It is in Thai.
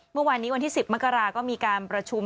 เมื่อวานนี้วันที่๑๐มกราก็มีการประชุม